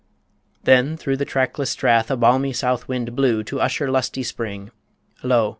Then through The trackless Strath a balmy south wind blew To usher lusty Spring. Lo!